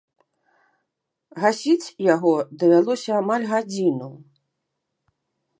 Гасіць яго давялося амаль гадзіну.